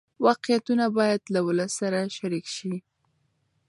واقعیتونه باید له ولس سره شریک شي.